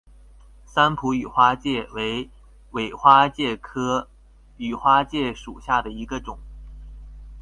三浦羽花介为尾花介科羽花介属下的一个种。